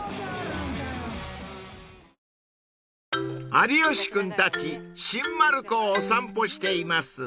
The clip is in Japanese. ［有吉君たち新丸子をお散歩しています］